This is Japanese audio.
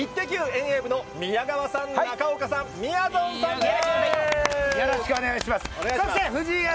遠泳部の宮川さん、中岡さん、みやぞんさんです。